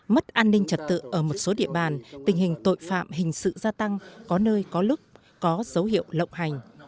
mất an ninh trật tự ở một số địa bàn tình hình tội phạm hình sự gia tăng có nơi có lúc có dấu hiệu lộng hành